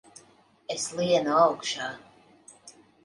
Es lienu augšā!